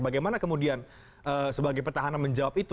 bagaimana kemudian sebagai petahana menjawab itu